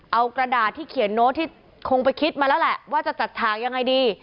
เอากระดาษที่เขียนโน้ตที่คงไปคิดมาแล้วแหละว่าจะจัดฉากยังไงดี